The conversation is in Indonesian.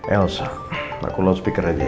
elsa aku loudspeaker aja ya